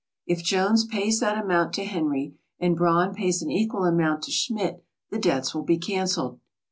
If Jones pays that amount to Henry and Braun pays an equal amount to Schmidt, the debts will be cancelled.